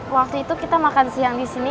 waktu itu kita makan siang disini